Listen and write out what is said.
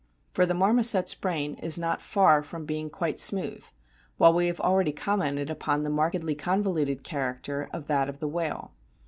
For the Marmoset's brain is not far from being quite smooth, while we have already commented upon the markedly con voluted character of that of the whale.